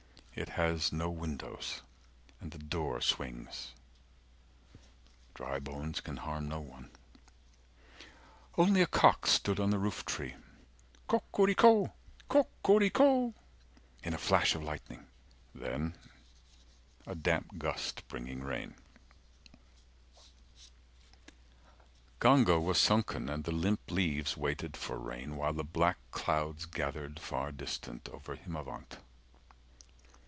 It has no windows, and the door swings, Dry bones can harm no one. 390 Only a cock stood on the roof tree Co co rico co co rico In a flash of lightning. Then a damp gust Bringing rain Ganga was sunken, and the limp leaves 395 Waited for rain, while the black clouds Gathered far distant, over Himavant.